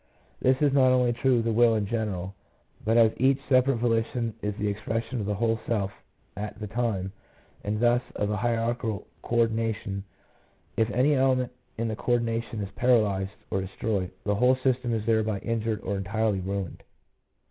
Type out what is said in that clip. This is not only true of the will in general, but as each separate volition is the expression of the whole self at the time, and thus of a hierarchical co ordination, if any element in the co ordination is paralyzed or destroyed, the whole system is thereby injured or entirely ruined.